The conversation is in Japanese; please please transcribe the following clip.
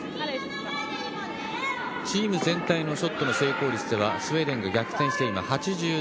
チーム全体のショットの成功率ではスウェーデンが逆転して８７％。